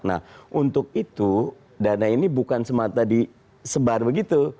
nah untuk itu dana ini bukan semata disebar begitu